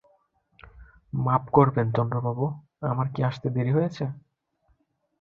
মাপ করবেন চন্দ্রবাবু, আমার কি আসতে দেরি হয়েছে?